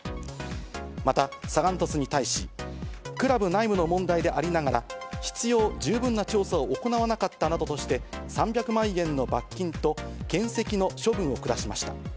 またサガン鳥栖に対し、クラブ内部の問題でありながら、必要十分な調査を行わなかったとして、３００万円の罰金と、けん責の処分を下しました。